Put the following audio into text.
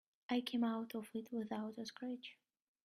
I came out of it without a scratch.